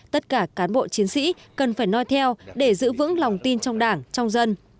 tất cả cán bộ chiến sĩ cần phải nói theo để giữ vững lòng tin trong đảng trong dân